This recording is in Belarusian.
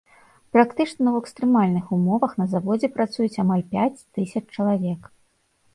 Практычна ў экстрэмальных умовах на заводзе працуюць амаль пяць тысяч чалавек.